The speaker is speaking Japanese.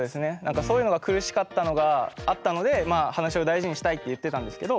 そういうのが苦しかったのがあったので話し合いを大事にしたいって言ってたんですけど。